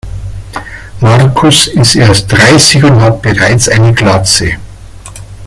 Markus ist erst dreißig und hat bereits eine Glatze.